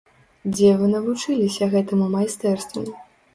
Дзе вы навучыліся гэтаму майстэрству?